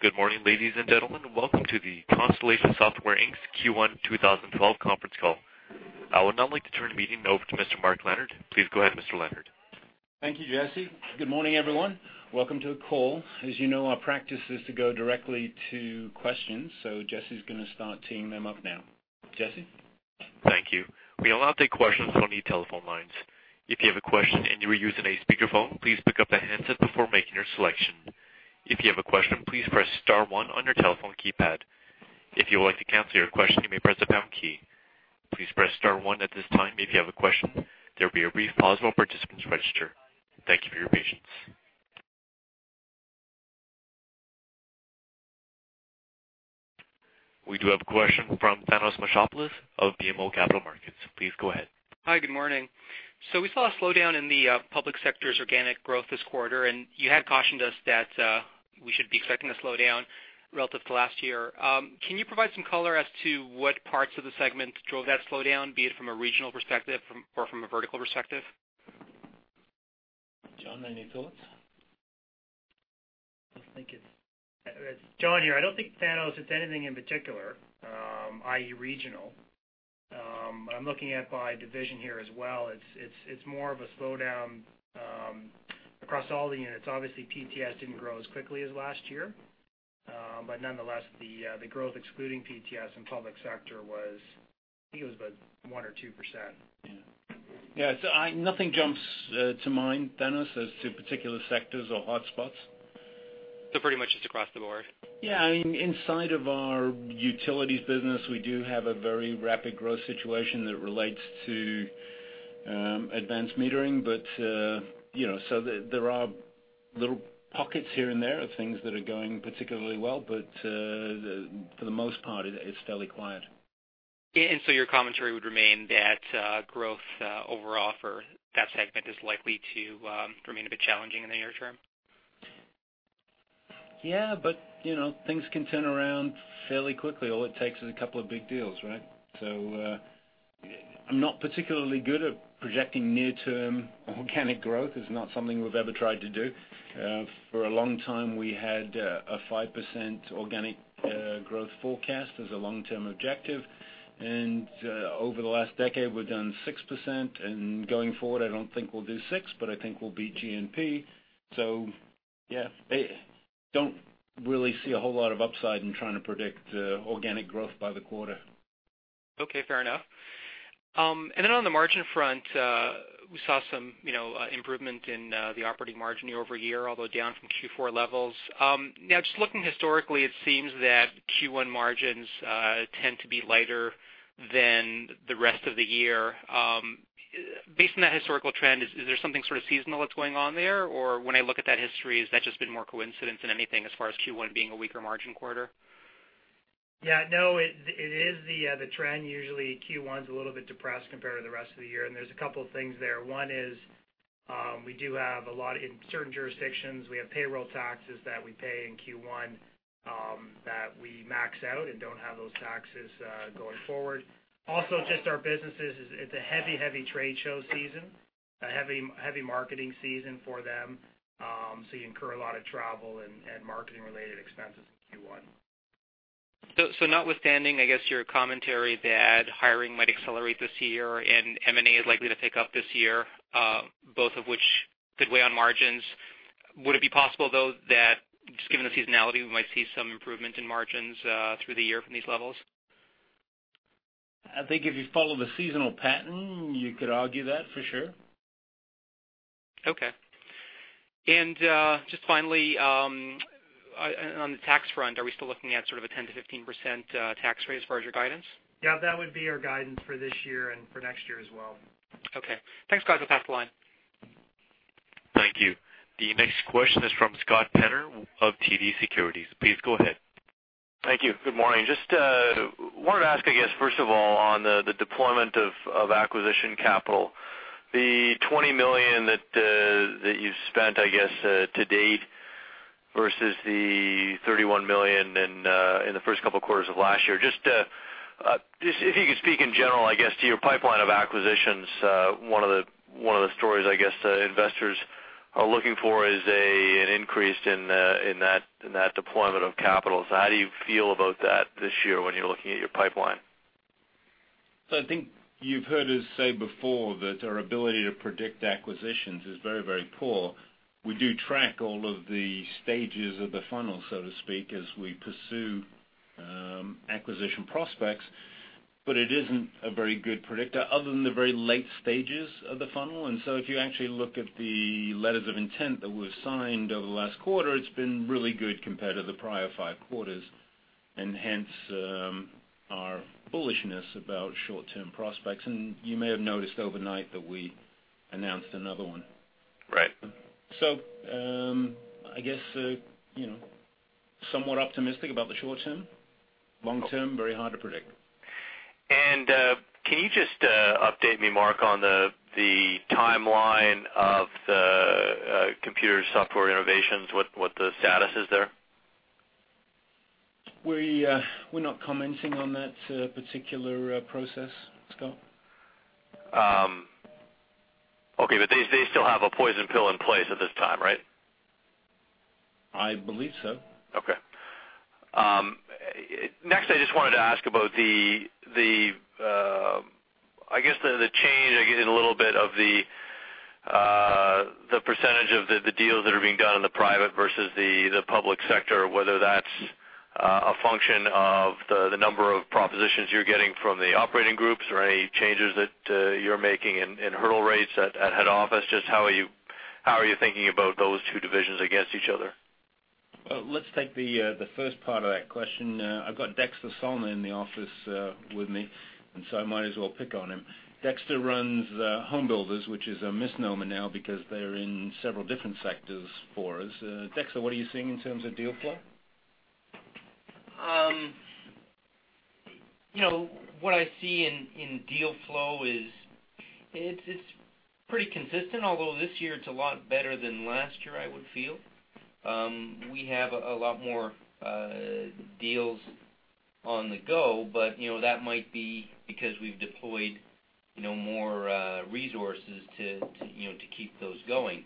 Good morning, ladies and gentlemen. Welcome to the Constellation Software Inc's Q1 2012 conference call. I would now like to turn the meeting over to Mr. Mark Leonard. Please go ahead, Mr. Leonard. Thank you, Jesse. Good morning, everyone. Welcome to the call. As you know, our practice is to go directly to questions, so Jesse's gonna start teeing them up now. Jesse? We do have a question from Thanos Moschopoulos of BMO Capital Markets. Please go ahead. Hi. Good morning. We saw a slowdown in the public sector's organic growth this quarter, and you had cautioned us that we should be expecting a slowdown relative to last year. Can you provide some color as to what parts of the segment drove that slowdown, be it from a regional perspective or from a vertical perspective? John, any thoughts? Thank you. John here. I don't think, Thanos, it's anything in particular, i.e., regional. I'm looking at by division here as well. It's more of a slowdown across all the units. Obviously, PTS didn't grow as quickly as last year. Nonetheless, the growth excluding PTS and public sector was, I think it was about 1% or 2%. Yeah. Yeah. Nothing jumps to mind, Thanos, as to particular sectors or hotspots. Pretty much just across the board? Yeah. I mean, inside of our utilities business, we do have a very rapid growth situation that relates to advanced metering. You know, there are little pockets here and there of things that are going particularly well. For the most part, it's fairly quiet. Your commentary would remain that, growth overall for that segment is likely to remain a bit challenging in the near term? Yeah, but, you know, things can turn around fairly quickly. All it takes is a couple of big deals, right? I'm not particularly good at projecting near-term organic growth. It's not something we've ever tried to do. For a long time, we had a 5% organic growth forecast as a long-term objective. Over the last decade, we've done 6%. Going forward, I don't think we'll do 6%, but I think we'll beat GNP. Yeah, I don't really see a whole lot of upside in trying to predict organic growth by the quarter. Okay, fair enough. On the margin front, we saw some, you know, improvement in the operating margin year-over-year, although down from Q4 levels. Now just looking historically, it seems that Q1 margins tend to be lighter than the rest of the year. Based on that historical trend, is there something sort of seasonal that's going on there? Or when I look at that history, has that just been more coincidence than anything as far as Q1 being a weaker margin quarter? No. It is the trend. Usually Q1's a little bit depressed compared to the rest of the year. There's a couple of things there. One is, we do have a lot of In certain jurisdictions, we have payroll taxes that we pay in Q1 that we max out and don't have those taxes going forward. Just our businesses is it's a heavy trade show season, a heavy marketing season for them, so you incur a lot of travel and marketing-related expenses in Q1. Notwithstanding, I guess, your commentary that hiring might accelerate this year and M&A is likely to pick up this year, both of which could weigh on margins, would it be possible though that just given the seasonality, we might see some improvement in margins through the year from these levels? I think if you follow the seasonal pattern, you could argue that, for sure. Okay. Just finally, on the tax front, are we still looking at sort of a 10%-15% tax rate as far as your guidance? Yeah, that would be our guidance for this year and for next year as well. Okay. Thanks. I'll pass the line. Thank you. The next question is from Scott Penner of TD Securities. Please go ahead. Thank you. Good morning. Just wanted to ask, I guess, first of all on the deployment of acquisition capital. The 20 million that you've spent, I guess, to date versus the 31 million in the first couple quarters of last year. Just if you could speak in general, I guess, to your pipeline of acquisitions, one of the, one of the stories I guess, investors are looking for is an increase in that, in that deployment of capital. How do you feel about that this year when you're looking at your pipeline? I think you've heard us say before that our ability to predict acquisitions is very, very poor. We do track all of the stages of the funnel, so to speak, as we pursue acquisition prospects, but it isn't a very good predictor other than the very late stages of the funnel. If you actually look at the letters of intent that we've signed over the last quarter, it's been really good compared to the prior five quarters, and hence, our bullishness about short-term prospects. You may have noticed overnight that we announced another one. Right. I guess, you know, somewhat optimistic about the short term. Long term, very hard to predict. Can you just update me, Mark, on the timeline of the Computer Software Innovations, what the status is there? We, we're not commenting on that particular process, Scott. Okay. They, they still have a poison pill in place at this time, right? I believe so. Next, I just wanted to ask about the change in a little bit of the % of the deals that are being done in the private versus the public sector, whether that's a function of the number of propositions you're getting from the operating groups or any changes that you're making in hurdle rates at head office. Just how are you thinking about those two divisions against each other? Well, let's take the first part of that question. I've got Dexter Salna in the office with me, and so I might as well pick on him. Dexter runs Home Builders, which is a misnomer now because they're in several different sectors for us. Dexter, what are you seeing in terms of deal flow? You know, what I see in deal flow is it's pretty consistent, although this year it's a lot better than last year, I would feel. We have a lot more deals on the go, but, you know, that might be because we've deployed, you know, more resources to, you know, to keep those going.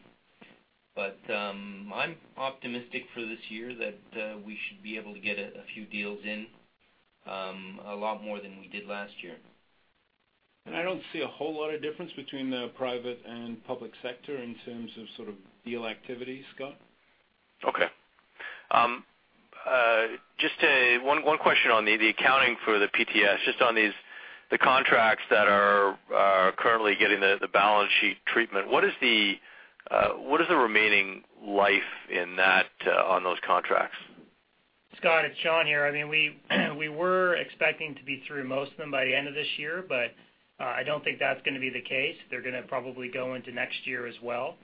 I'm optimistic for this year that we should be able to get a few deals in, a lot more than we did last year. I don't see a whole lot of difference between the private and public sector in terms of sort of deal activity, Scott. Okay. Just a one question on the accounting for the PTS. Just on these, the contracts that are currently getting the balance sheet treatment, what is the remaining life in that on those contracts? Scott, it's John here. I mean, we were expecting to be through most of them by the end of this year, but I don't think that's gonna be the case. They're gonna probably go into next year as well.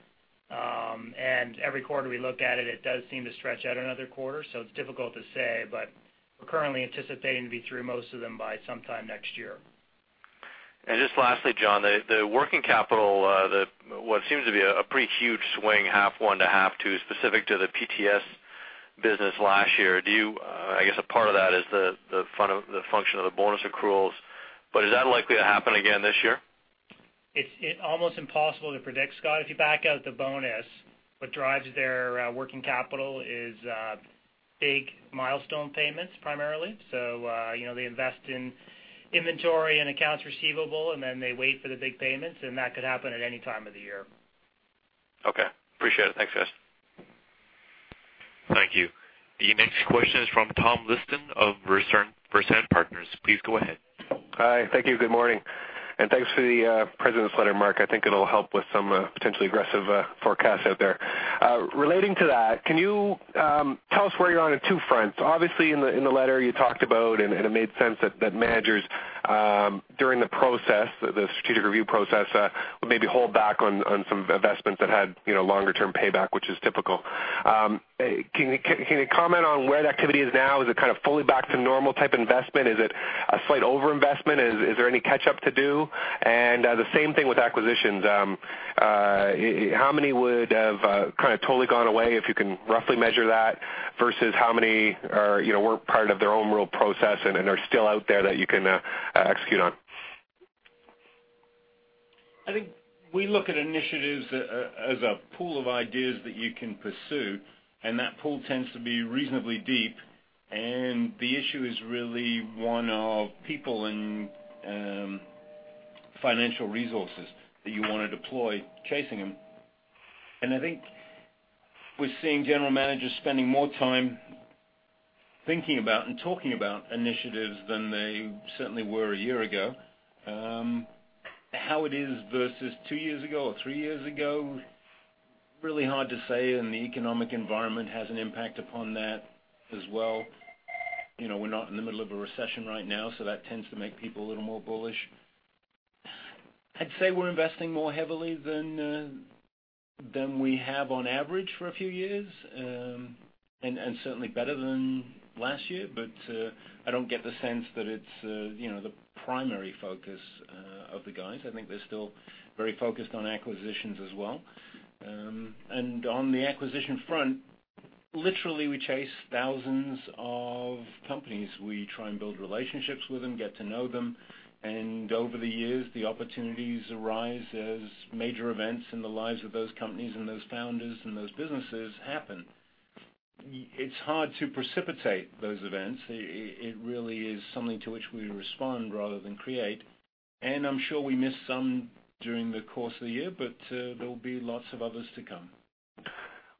Every quarter we look at it does seem to stretch out another quarter. It's difficult to say, but we're currently anticipating to be through most of them by sometime next year. Just lastly, John, the working capital, what seems to be a pretty huge swing, half 1 to half 2, specific to the PTS business last year, do you, I guess a part of that is the function of the bonus accruals, but is that likely to happen again this year? It's almost impossible to predict, Scott. If you back out the bonus, what drives their working capital is big milestone payments primarily. You know, they invest in inventory and accounts receivable, and then they wait for the big payments, and that could happen at any time of the year. Okay. Appreciate it. Thanks, guys. Thank you. The next question is from Tom Liston of Versant Partners. Please go ahead. Hi. Thank you. Good morning. Thanks for the president's letter, Mark. I think it'll help with some potentially aggressive forecasts out there. Relating to that, can you tell us where you're on at two fronts? Obviously, in the letter you talked about, and it made sense that managers during the process, the strategic review process, would maybe hold back on some investments that had, you know, longer term payback, which is typical. Can you comment on where the activity is now? Is it kind of fully back to normal type investment? Is it a slight overinvestment? Is there any catch-up to do? The same thing with acquisitions. How many would have, kind of totally gone away, if you can roughly measure that, versus how many are, you know, were part of their own real process and are still out there that you can execute on? I think we look at initiatives as a pool of ideas that you can pursue. That pool tends to be reasonably deep, and the issue is really one of people and financial resources that you wanna deploy chasing them. I think we're seeing general managers spending more time thinking about and talking about initiatives than they certainly were a year ago. How it is versus two years ago or three years ago, really hard to say. The economic environment has an impact upon that as well. You know, we're not in the middle of a recession right now. That tends to make people a little more bullish. I'd say we're investing more heavily than we have on average for a few years, and certainly better than last year. I don't get the sense that it's, you know, the primary focus of the guys. I think they're still very focused on acquisitions as well. On the acquisition front, literally, we chase thousands of companies. We try and build relationships with them, get to know them, and over the years, the opportunities arise as major events in the lives of those companies and those founders and those businesses happen. It's hard to precipitate those events. It really is something to which we respond rather than create. I'm sure we missed some during the course of the year, there'll be lots of others to come.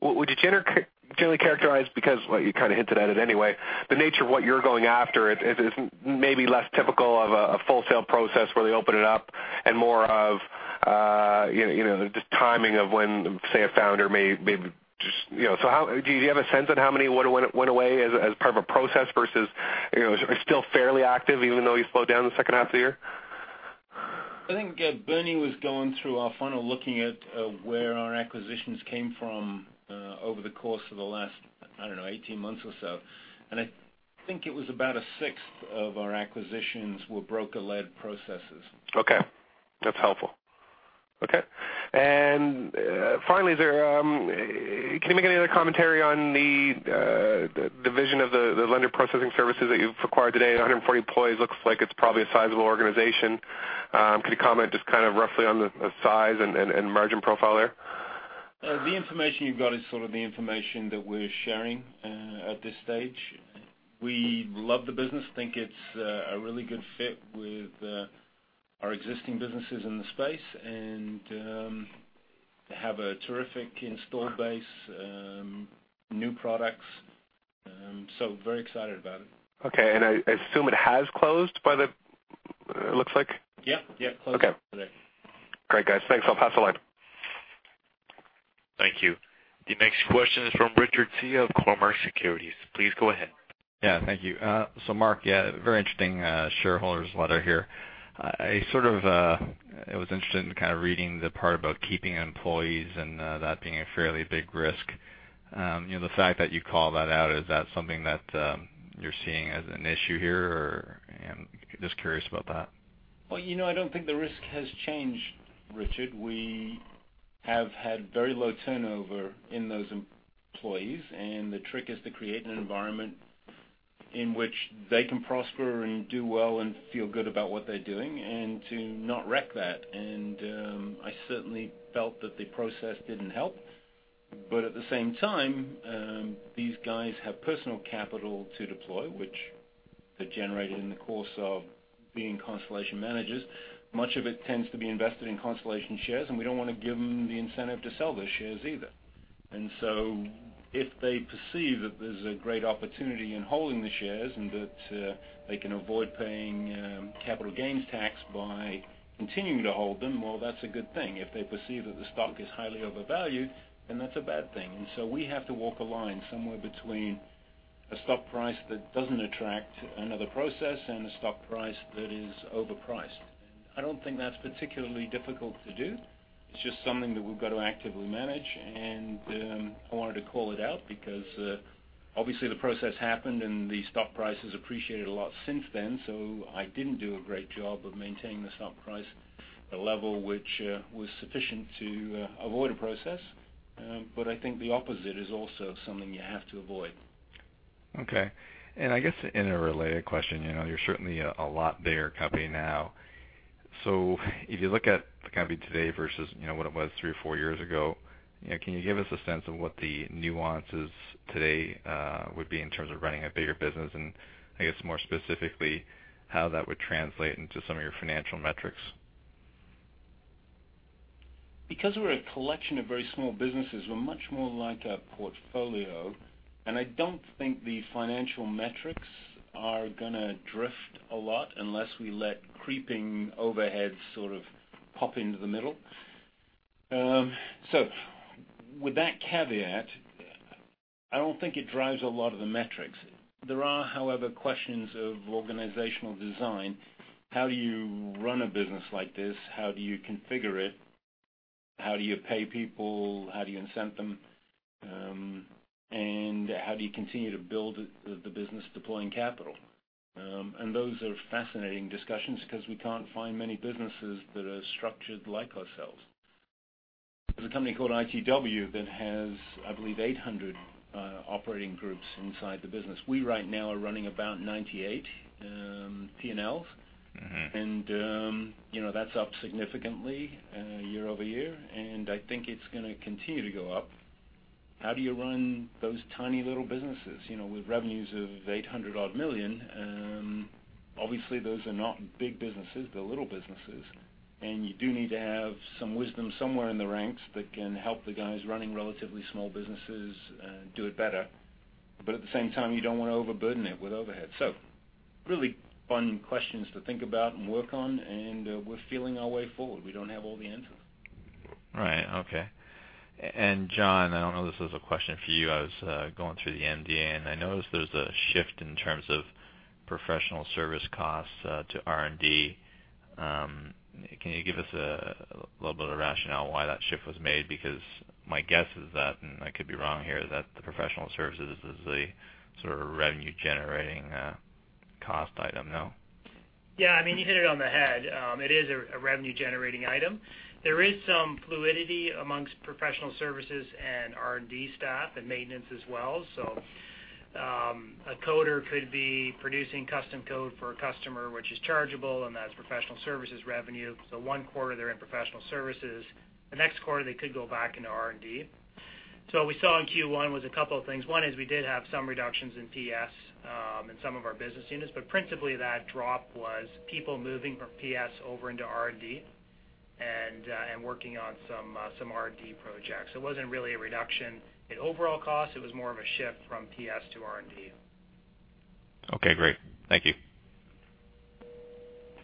Well, would you generally characterize, because, well, you kinda hinted at it anyway, the nature of what you're going after is maybe less typical of a full sale process where they open it up and more of, you know, just timing of when, say, a founder may just, you know? How do you have a sense on how many would've went away as part of a process versus, you know, are still fairly active even though you slowed down the second half of the year? I think Bernie was going through our funnel looking at where our acquisitions came from over the course of the last, I don't know, 18 months or so. I think it was about a sixth of our acquisitions were broker-led processes. Okay. That's helpful. Okay. Finally, is there, can you make any other commentary on the vision of the Lender Processing Services that you've acquired today? 140 employees looks like it's probably a sizable organization. Could you comment just kind of roughly on the size and margin profile there? The information you've got is sort of the information that we're sharing at this stage. We love the business. Think it's a really good fit with our existing businesses in the space and have a terrific install base, new products. Very excited about it. Okay. I assume it has closed, it looks like. Yeah, yeah. Okay. Closed today. Great, guys. Thanks. I'll pass the line. Thank you. The next question is from Richard Tse of Cormark Securities. Please go ahead. Yeah, thank you. Mark, yeah, very interesting shareholders letter here. I sort of, I was interested in kind of reading the part about keeping employees and that being a fairly big risk. You know, the fact that you call that out, is that something that you're seeing as an issue here? Just curious about that. You know, I don't think the risk has changed, Richard. We have had very low turnover in those employees, and the trick is to create an environment in which they can prosper and do well and feel good about what they're doing and to not wreck that. I certainly felt that the process didn't help. At the same time, these guys have personal capital to deploy, which they generated in the course of being Constellation managers. Much of it tends to be invested in Constellation shares, and we don't wanna give them the incentive to sell those shares either. If they perceive that there's a great opportunity in holding the shares and that they can avoid paying capital gains tax by continuing to hold them, well, that's a good thing. If they perceive that the stock is highly overvalued, then that's a bad thing. We have to walk a line somewhere between a stock price that doesn't attract another process and a stock price that is overpriced. I don't think that's particularly difficult to do. It's just something that we've got to actively manage. I wanted to call it out because, obviously, the process happened and the stock price has appreciated a lot since then. I didn't do a great job of maintaining the stock price, a level which was sufficient to avoid a process. I think the opposite is also something you have to avoid. Okay. I guess in a related question, you know, you're certainly a lot bigger company now. So if you look at the company today versus, you know, what it was three or four years ago, you know, can you give us a sense of what the nuances today would be in terms of running a bigger business? I guess more specifically, how that would translate into some of your financial metrics. Because we're a collection of very small businesses, we're much more like a portfolio, and I don't think the financial metrics are gonna drift a lot unless we let creeping overhead sort of pop into the middle. So with that caveat, I don't think it drives a lot of the metrics. There are, however, questions of organizational design. How do you run a business like this? How do you configure it? How do you pay people? How do you incent them? How do you continue to build the business deploying capital? Those are fascinating discussions 'cause we can't find many businesses that are structured like ourselves. There's a company called ITW that has, I believe, 800 operating groups inside the business. We right now are running about 98 P&Ls. You know, that's up significantly year over year, and I think it's gonna continue to go up. How do you run those tiny little businesses? You know, with revenues of $800 odd million, obviously, those are not big businesses. They're little businesses. You do need to have some wisdom somewhere in the ranks that can help the guys running relatively small businesses do it better. At the same time, you don't wanna overburden it with overhead. Really fun questions to think about and work on, we're feeling our way forward. We don't have all the answers. Right. Okay. John, I don't know if this is a question for you. I was going through the MD&A, and I noticed there's a shift in terms of professional service costs to R&D. Can you give us a little bit of rationale why that shift was made? My guess is that, and I could be wrong here, that the professional services is the sort of revenue-generating cost item, no? Yeah, I mean, you hit it on the head. It is a revenue-generating item. There is some fluidity amongst professional services and R&D staff and maintenance as well. A coder could be producing custom code for a customer which is chargeable, and that's professional services revenue. One quarter, they're in professional services. The next quarter, they could go back into R&D. What we saw in Q1 was a couple of things. One is we did have some reductions in PS in some of our business units. Principally, that drop was people moving from PS over into R&D and working on some R&D projects. It wasn't really a reduction in overall cost. It was more of a shift from PS to R&D. Okay, great. Thank you.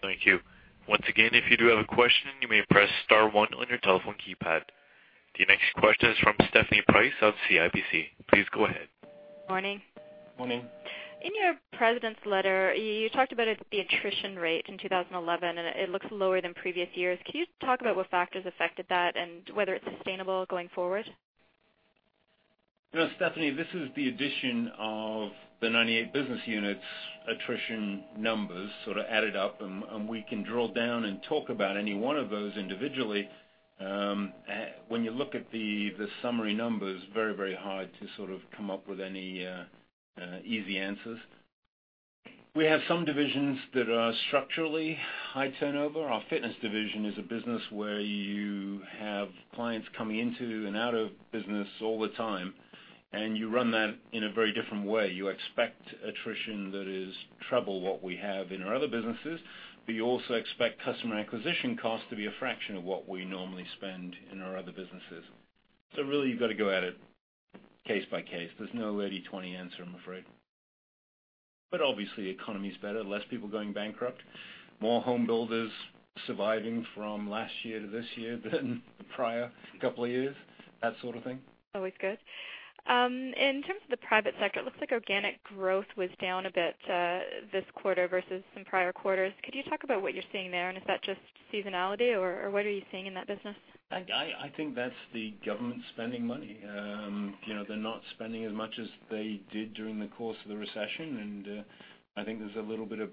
Thank you. Once again, if you do have a question, you may press star one on your telephone keypad. The next question is from Stephanie Price of CIBC. Please go ahead. Morning. Morning. In your President's letter, you talked about the attrition rate in 2011, and it looks lower than previous years. Can you talk about what factors affected that and whether it's sustainable going forward? You know, Stephanie, this is the addition of the 98 business units attrition numbers sort of added up, and we can drill down and talk about any one of those individually. When you look at the summary numbers, very hard to sort of come up with any easy answers. We have some divisions that are structurally high turnover. Our fitness division is a business where you have clients coming into and out of business all the time, and you run that in a very different way. You expect attrition that is trouble what we have in our other businesses, but you also expect customer acquisition costs to be a fraction of what we normally spend in our other businesses. Really, you've got to go at it case by case. There's no 80/20 answer, I'm afraid. Obviously, economy's better, less people going bankrupt, more home builders surviving from last year to this year than the prior couple of years, that sort of thing. Always good. In terms of the private sector, it looks like organic growth was down a bit, this quarter versus some prior quarters. Could you talk about what you're seeing there? Is that just seasonality or what are you seeing in that business? I think that's the government spending money. You know, they're not spending as much as they did during the course of the recession. I think there's a little bit of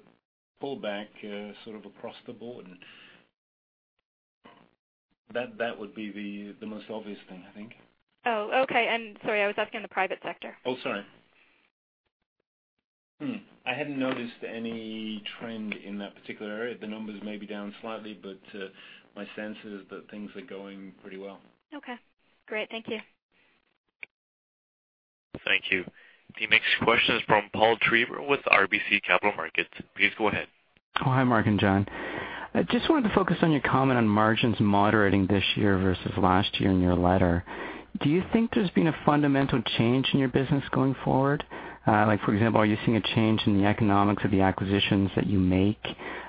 pullback, sort of across the board. That would be the most obvious thing, I think. Oh, okay. Sorry, I was asking the private sector. Oh, sorry. Hmm. I hadn't noticed any trend in that particular area. The numbers may be down slightly, but my sense is that things are going pretty well. Okay, great. Thank you. Thank you. The next question is from Paul Treiber with RBC Capital Markets. Please go ahead. Hi, Mark and John. I just wanted to focus on your comment on margins moderating this year versus last year in your letter. Do you think there's been a fundamental change in your business going forward? Like, for example, are you seeing a change in the economics of the acquisitions that you make,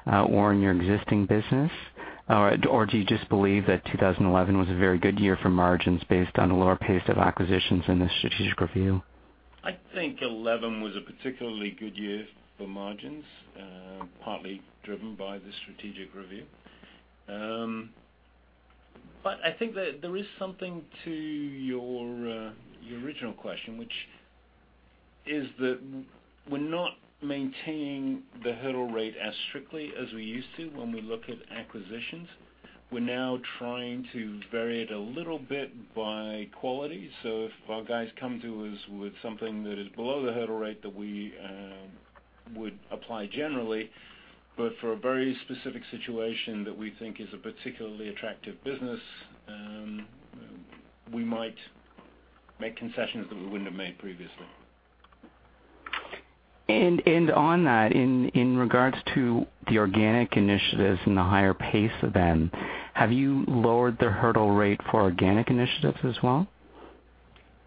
or in your existing business? Do you just believe that 2011 was a very good year for margins based on a lower pace of acquisitions in the strategic review? I think 2011 was a particularly good year for margins, partly driven by the strategic review. I think that there is something to your original question, which is that we're not maintaining the hurdle rate as strictly as we used to when we look at acquisitions. We're now trying to vary it a little bit by quality. If our guys come to us with something that is below the hurdle rate that we would apply generally, but for a very specific situation that we think is a particularly attractive business, we might make concessions that we wouldn't have made previously. On that, in regards to the organic initiatives and the higher pace of them, have you lowered the hurdle rate for organic initiatives as well?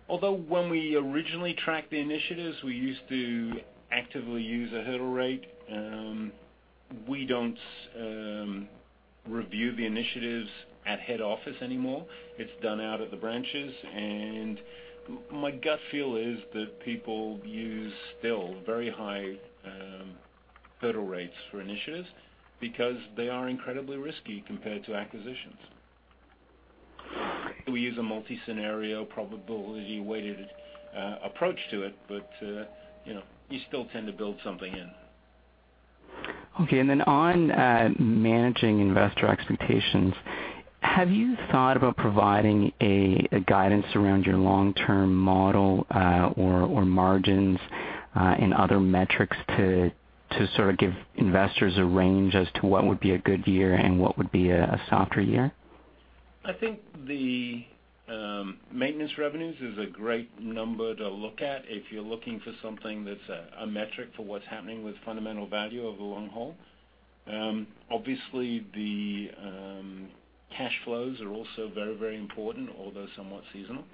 Although when we originally tracked the initiatives, we used to actively use a hurdle rate, we don't review the initiatives at head office anymore. It's done out of the branches. My gut feel is that people use still very high hurdle rates for initiatives because they are incredibly risky compared to acquisitions. We use a multi-scenario probability weighted approach to it, but, you know, you still tend to build something in. Okay. Then on managing investor expectations, have you thought about providing a guidance around your long-term model, or margins, and other metrics to sort of give investors a range as to what would be a good year and what would be a softer year? I think the maintenance revenues is a great number to look at if you're looking for something that's a metric for what's happening with fundamental value over the long haul. Obviously the cash flows are also very, very important, although somewhat seasonal.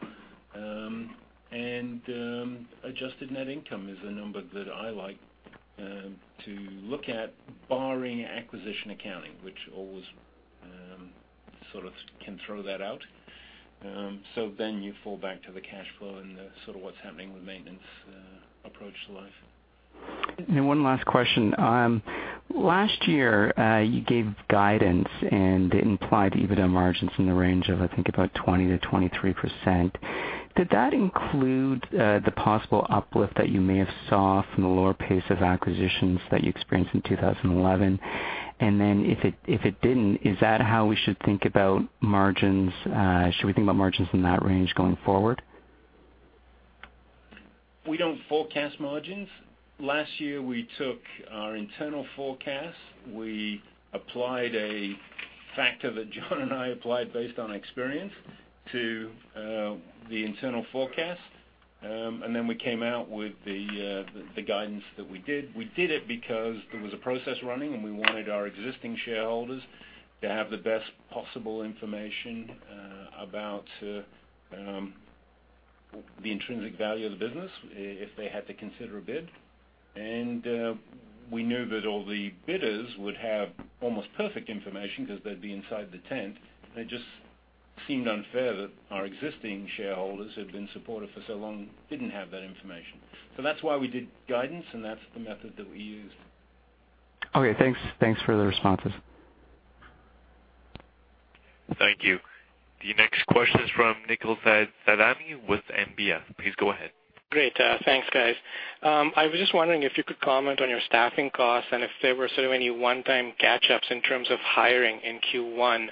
Adjusted net income is a number that I like to look at barring acquisition accounting, which always sort of can throw that out. You fall back to the cash flow and the sort of what's happening with maintenance approach to life. One last question. Last year, you gave guidance and implied EBITDA margins in the range of 20%-23%. Did that include the possible uplift that you may have saw from the lower pace of acquisitions that you experienced in 2011? Then if it didn't, is that how we should think about margins? Should we think about margins in that range going forward? We don't forecast margins. Last year, we took our internal forecast. We applied a factor that John and I applied based on experience to the internal forecast. Then we came out with the guidance that we did. We did it because there was a process running, and we wanted our existing shareholders to have the best possible information about the intrinsic value of the business if they had to consider a bid. We knew that all the bidders would have almost perfect information 'cause they'd be inside the tent. It just seemed unfair that our existing shareholders who had been supportive for so long didn't have that information. That's why we did guidance, and that's the method that we used. Okay, thanks. Thanks for the responses. Thank you. The next question is from Niklofed Tarami with NBF. Please go ahead. Great. Thanks, guys. I was just wondering if you could comment on your staffing costs and if there were sort of any one-time catch-ups in terms of hiring in Q1,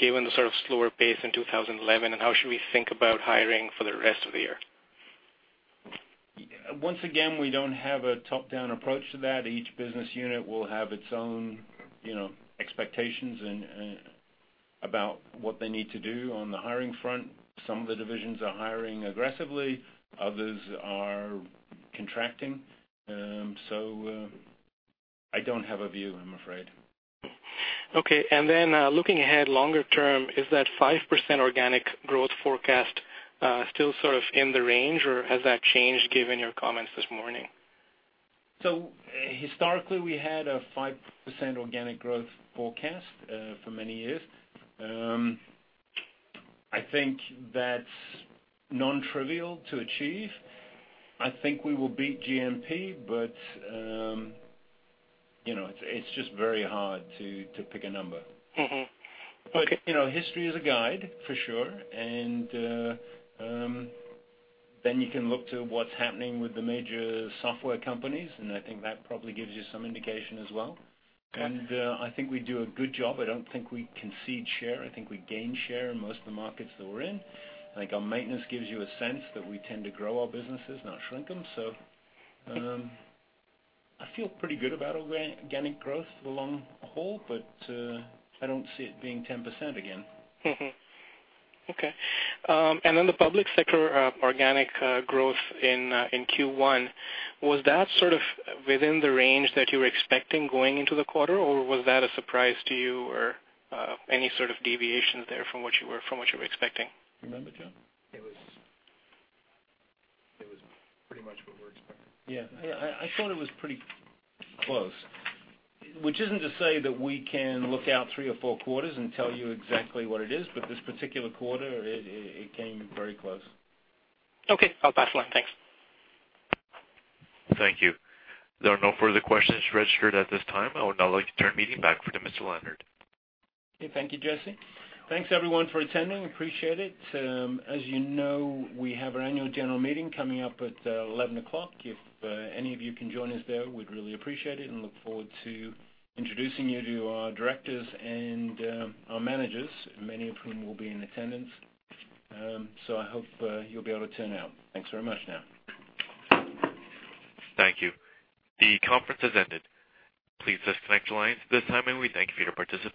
given the sort of slower pace in 2011. How should we think about hiring for the rest of the year? Once again, we don't have a top-down approach to that. Each business unit will have its own, you know, expectations and about what they need to do on the hiring front. Some of the divisions are hiring aggressively, others are contracting. I don't have a view, I'm afraid. Okay. Then, looking ahead longer term, is that 5% organic growth forecast, still sort of in the range, or has that changed given your comments this morning? Historically, we had a 5% organic growth forecast for many years. I think that's non-trivial to achieve. I think we will beat GNP, you know, it's just very hard to pick a number. You know, history is a guide for sure and, then you can look to what's happening with the major software companies, and I think that probably gives you some indication as well. Okay. I think we do a good job. I don't think we concede share. I think we gain share in most of the markets that we're in. I think our maintenance gives you a sense that we tend to grow our businesses, not shrink them. I feel pretty good about organic growth in the long haul, but I don't see it being 10% again. Okay. The public sector organic growth in Q1, was that sort of within the range that you were expecting going into the quarter, or was that a surprise to you or any sort of deviations there from what you were expecting? Remember, John? It was pretty much what we were expecting. Yeah. I thought it was pretty close. Which isn't to say that we can look out three or four quarters and tell you exactly what it is, but this particular quarter, it came very close. Okay. I'll pass the line. Thanks. Thank you. There are no further questions registered at this time. I would now like to turn the meeting back over to Mr. Leonard. Okay. Thank you, Jesse. Thanks everyone for attending. Appreciate it. As you know, we have our annual general meeting coming up at 11:00 A.M. If any of you can join us there, we'd really appreciate it and look forward to introducing you to our directors and our managers, many of whom will be in attendance. I hope you'll be able to turn out. Thanks very much now. Thank you. The conference has ended. Please disconnect your lines at this time, and we thank you for your participation.